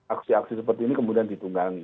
aksi aksi seperti ini kemudian ditunggangi